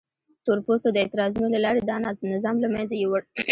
تور پوستو د اعتراضونو له لارې دا نظام له منځه یووړ.